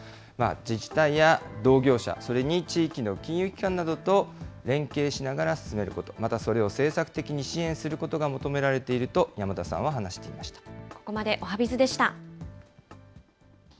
自治体や同業者、それに地域の金融機関などと連携しながら進めること、またそれを政策的に支援することが求められていると山田さんは話ここまでおはＢｉｚでした。